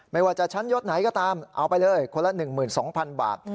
ไม่ว่าจะชั้นยศไหนก็ตามเอาไปเลยคนละ๑๒๐๐๐บาท